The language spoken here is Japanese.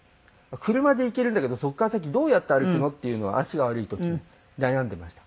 車で行けるんだけどそこから先どうやって歩くの？っていうのは足が悪い時悩んでました。